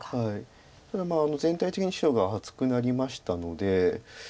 ただ全体的に白が厚くなりましたので。